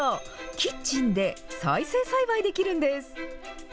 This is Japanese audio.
キッチンで再生栽培できるんです。